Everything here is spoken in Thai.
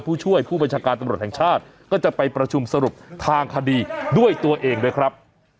ผู้ช่วยผู้บัญชาการตำรวจแห่งชาติก็จะไปประชุมสรุปทางคดีด้วยตัวเองด้วยครับ